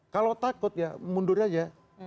kalau takut ya mundur aja